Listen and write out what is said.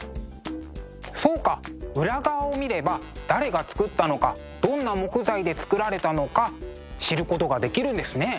そうか裏側を見れば誰が作ったのかどんな木材で作られたのか知ることができるんですね。